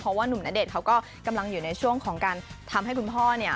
เพราะว่านุ่มณเดชน์เขาก็กำลังอยู่ในช่วงของการทำให้คุณพ่อเนี่ย